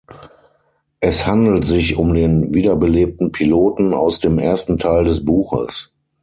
Es handelt sich um den wiederbelebten Piloten aus dem ersten Teil des Buches.